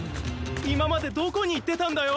いままでどこにいってたんだよ。